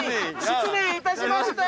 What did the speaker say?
失礼いたしました！